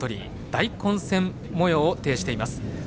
大混戦もようを呈しています。